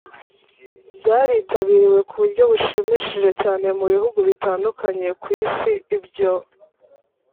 byaritabiriwe ku buryo bushimishije cyane mu bihugu bitandukanye ku isi ibyo